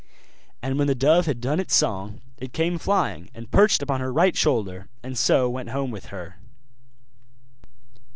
And when the dove had done its song, it came flying, and perched upon her right shoulder, and so went home with her.